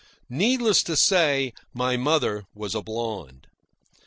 Needless to say, my mother was a blonde.